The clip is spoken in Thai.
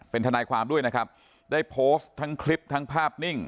เป็นทนายความด้วยนะครับได้โพสต์ทั้งคลิปทั้งภาพนิ่ง